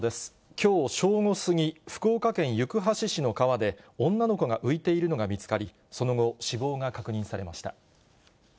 きょう正午過ぎ、福岡県行橋市の川で、女の子が浮いているのが見つかり、その後、死亡が確認されました。